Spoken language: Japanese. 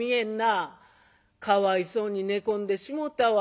「かわいそうに寝込んでしもうたわ。